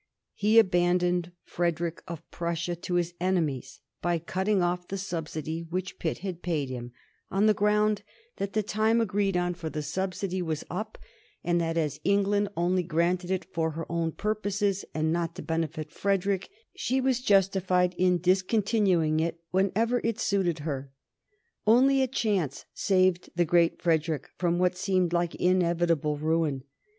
He abandoned Frederick of Prussia to his enemies by cutting off the subsidy which Pitt had paid him, on the ground that the time agreed on for the subsidy was up, and that as England only granted it for her own purposes, and not to benefit Frederick, she was justified in discontinuing it whenever it suited her. Only a chance saved the Great Frederick from what seemed like inevitable ruin.